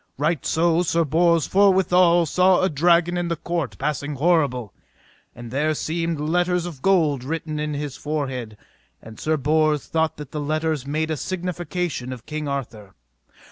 Right so Sir Bors forthwithal saw a dragon in the court passing horrible, and there seemed letters of gold written in his forehead; and Sir Bors thought that the letters made a signification of King Arthur.